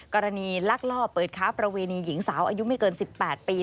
ลักลอบเปิดค้าประเวณีหญิงสาวอายุไม่เกิน๑๘ปี